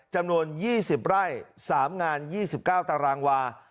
จำนวน๒๐ไร่๓งาน๒๙ตารางวา